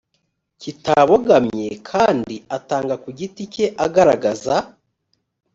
kitabogamye kandi atanga ku giti cye agaragaza